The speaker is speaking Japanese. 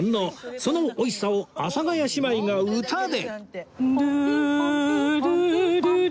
その美味しさを阿佐ヶ谷姉妹が歌で